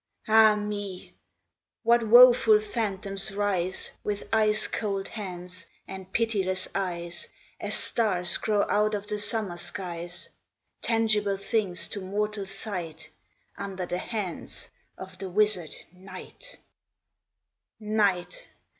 Ah me, what woeful phantoms rise, With ice cold hands and pitiless eyes, As stars grow out of the summer skies, Tangible things to mortal sight, Under the hands of the wizard Night! Night!